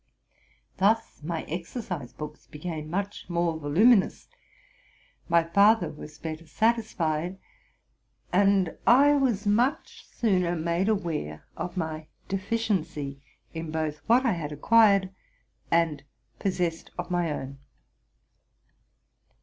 Thus my exercise books became much more voluminous, my father was better satis fied, and I was much sooner made aware of my deficiency in both what I had acquired and possessed of my own.